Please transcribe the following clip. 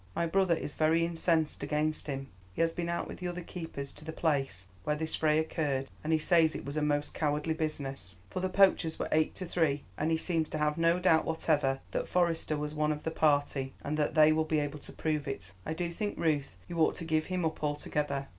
My brother is very incensed against him; he has been out with the other keepers to the place where this fray occurred and he says it was a most cowardly business, for the poachers were eight to three, and he seems to have no doubt whatever that Forester was one of the party, and that they will be able to prove it. I do think, Ruth, you ought to give him up altogether.